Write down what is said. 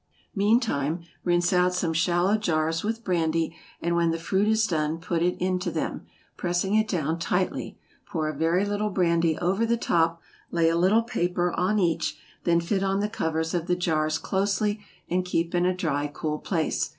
Meantime rinse out some shallow jars with brandy, and when the fruit is done put it into them, pressing it down tightly; pour a very little brandy over the top, lay a little paper on each, then fit on the covers of the jars closely, and keep in a dry, cool place.